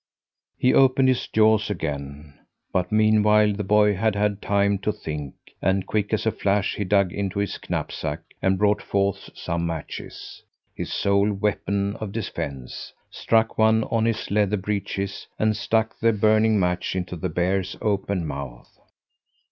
He opened his jaws again; but meanwhile the boy had had time to think, and, quick as a flash, he dug into his knapsack and brought forth some matches his sole weapon of defence struck one on his leather breeches, and stuck the burning match into the bear's open mouth.